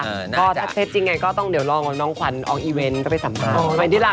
แล้วถ้าเทปจริงไงก็ต้องเดี๋ยวรอนองควันออกอันดีลาต้องออกอันดีลา